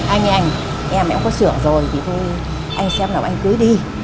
anh ấy anh em em có sửa rồi thì thôi anh xem nào anh cưới đi